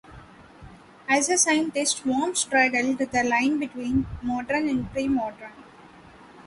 As a scientist, Worm straddled the line between modern and pre-modern.